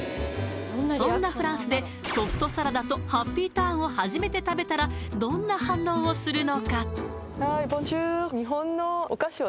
そんなフランスでソフトサラダとハッピーターンを初めて食べたらどんな反応をするのか？